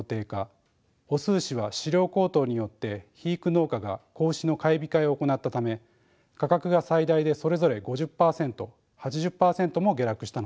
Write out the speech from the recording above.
雄牛は飼料高騰によって肥育農家が子牛の買い控えを行ったため価格が最大でそれぞれ５０％８０％も下落したのです。